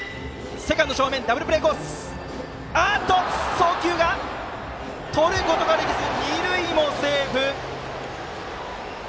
送球をとることができず二塁もセーフ！